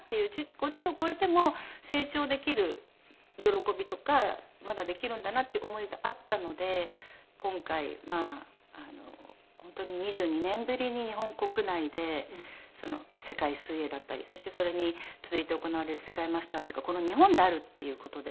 ５０を超えても成長できる喜びとかまだできるんだなっていう思いがあったので今回本当に２２年ぶりに日本国内で世界水泳だったりそしてそれに続いて行われる世界マスターズがこの日本であるっていう事で。